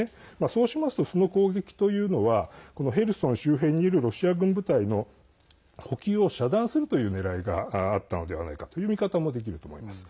そうしますとその攻撃というのはヘルソン周辺にいるロシア軍部隊の補給を遮断するというねらいがあったのではないかという見方もできると思います。